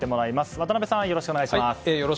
渡辺さん、よろしくお願いします。